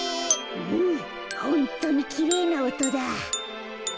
うんホントにきれいなおとだ。